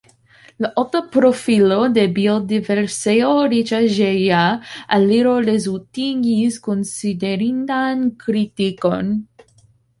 La alta profilo de biodiverseo-riĉaĵeja aliro rezultigis konsiderindan kritikon.